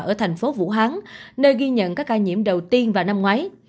ở thành phố vũ hán nơi ghi nhận các ca nhiễm đầu tiên vào năm ngoái